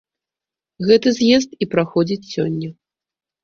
Гэты з'езд і праходзіць сёння.